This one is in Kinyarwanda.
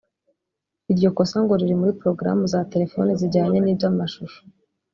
Iryo kosa ngo riri muri porogaramu za telefone zijyanye n’ibyamashusho